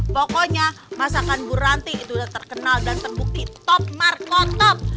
pokoknya masakan bu ranti itu udah terkenal dan terbukti top markotop